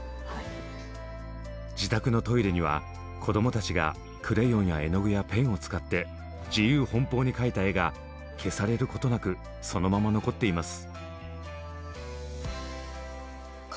自宅のトイレには子どもたちがクレヨンや絵の具やペンを使って自由奔放に描いた絵が消されることなくそのまま残っています。